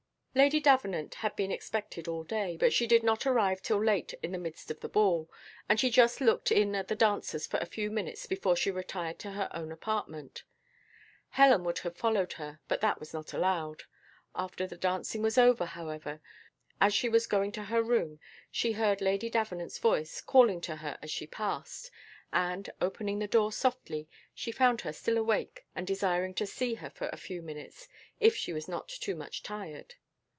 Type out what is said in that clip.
Lady Davenant had been expected all day, but she did not arrive till late in the midst of the ball, and she just looked in at the dancers for a few minutes before she retired to her own apartment. Helen would have followed her, but that was not allowed. After the dancing was over, however, as she was going to her room, she heard Lady Davenant's voice, calling to her as she passed by; and, opening the door softly, she found her still awake, and desiring to see her for a few minutes, if she was not too much tired.